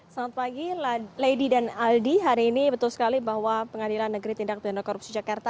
selamat pagi lady dan aldi hari ini betul sekali bahwa pengadilan negeri tindak pindah korupsi jakarta